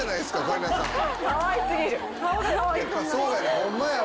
ホンマやわ。